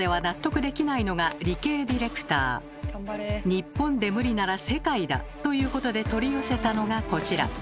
日本で無理なら世界だ！ということで取り寄せたのがこちら。